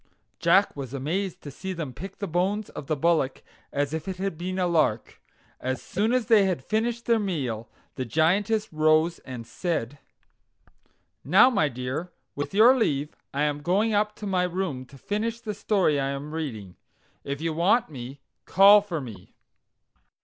Jack was amazed to see them pick the bones of the bullock as if it had been a lark. As soon as they had finished their meal, the Giantess rose and said: "Now, my dear, with your leave I am going up to my room to finish the story I am reading. If you want me, call for me."